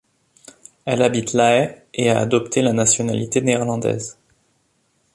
Elle habite La Haye et a adopté la nationalité néerlandaise.